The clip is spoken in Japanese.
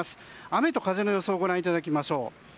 雨と風の予想をご覧いただきましょう。